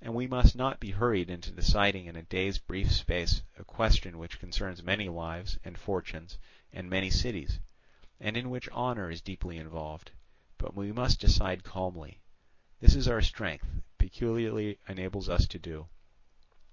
And we must not be hurried into deciding in a day's brief space a question which concerns many lives and fortunes and many cities, and in which honour is deeply involved—but we must decide calmly. This our strength peculiarly enables us to do.